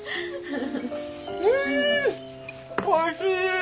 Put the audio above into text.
おいしい！